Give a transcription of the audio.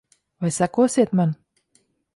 Vai sekosiet man?